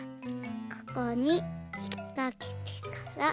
ここにひっかけてから。